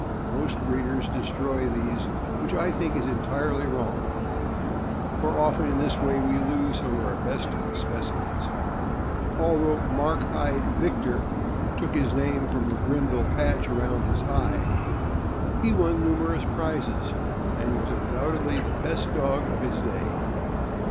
Most breeders destroy these, which I think is entirely wrong, for often in this way we lose some of our best specimens. Although Mark eyed Victor took his name from the brindle patch around his eye, he won numerous prizes, and was undoubtedly the best dog of his day.